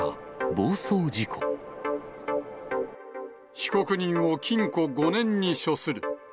被告人を禁錮５年に処する。